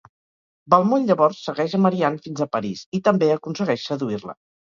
Valmont llavors segueix a Marianne fins a París i també aconsegueix seduir-la.